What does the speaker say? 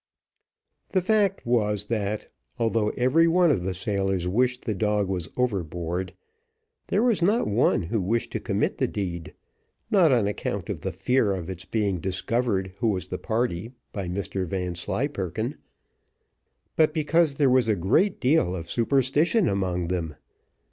The fact was, that, although every one of the sailors wished the dog was overboard, there was not one who wished to commit the deed, not on account of the fear of its being discovered who was the party by Mr Vanslyperken, but because there was a great deal of superstition among them.